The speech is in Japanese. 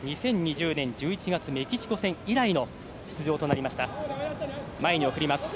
２０２０年１１月メキシコ戦以来の出場となりました。